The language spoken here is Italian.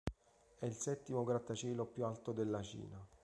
E' il settimo grattacielo più alto della Cina.